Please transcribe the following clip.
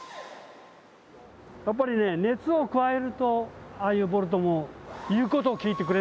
やっぱりね熱を加えるとああいう言うことを聞く？